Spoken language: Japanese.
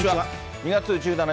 ２月１７日